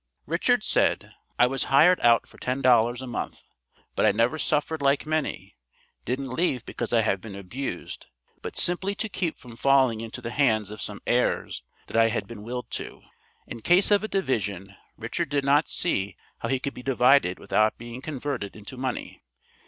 Richard said, "I was hired out for ten dollars a month, but I never suffered like many didn't leave because I have been abused, but simply to keep from falling into the hands of some heirs that I had been willed to." In case of a division, Richard did not see how he could be divided without being converted into money.